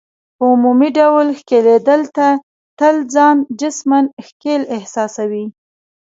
په عمومي ډول ښکیلېدل، ته تل ځان جسماً ښکېل احساسوې.